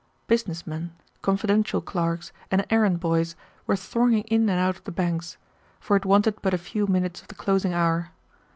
Business men, confidential clerks, and errand boys were thronging in and out of the banks, for it wanted but a few minutes of the closing hour.